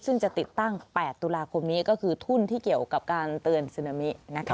ซึ่งจะติดตั้ง๘ตุลาคมนี้ก็คือทุ่นที่เกี่ยวกับการเตือนซึนามินะคะ